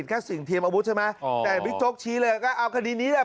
แค่สิ่งเทียมอาวุธใช่ไหมแต่บิ๊กโจ๊กชี้เลยก็เอาคดีนี้แหละ